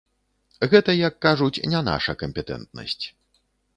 Гэта, як кажуць, не наша кампетэнтнасць.